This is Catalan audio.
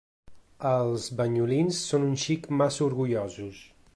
Els Banyolins són un xic massa orgullosos.